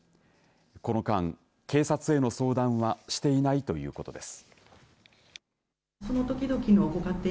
この間、警察への相談はしていないということです。